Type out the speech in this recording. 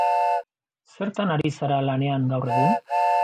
Zertan ari zara lanean gaur egun?